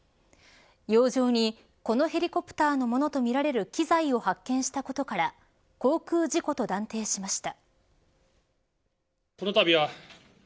洋上に、このヘリコプターのものとみられる機材を発見したことから航空事故と断定しました。